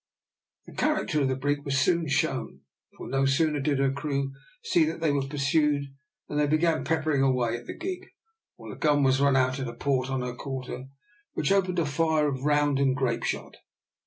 The character of the brig was soon shown, for no sooner did her crew see that they were pursued than they began peppering away at the gig, while a gun was run out at a port on her quarter, which opened a fire of round and grape shot.